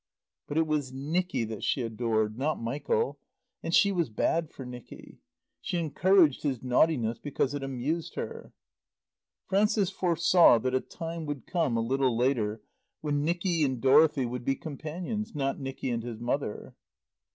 But it was Nicky that she adored, not Michael; and she was bad for Nicky. She encouraged his naughtiness because it amused her. Frances foresaw that a time would come, a little later, when Nicky and Dorothy would be companions, not Nicky and his mother.